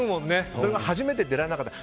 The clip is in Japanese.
それが初めて出られなかった。